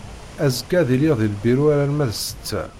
Azekka ad iliɣ di lbiru alarma d setta.